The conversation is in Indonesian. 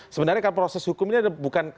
sebenarnya kan proses hukum ini bukan